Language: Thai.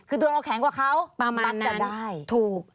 คือดวงเราแข็งกว่าเขาประมาณนั้นถูก